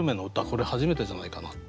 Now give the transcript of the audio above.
これ初めてじゃないかな。